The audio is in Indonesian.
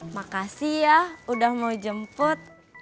makasih ya udah mau jemput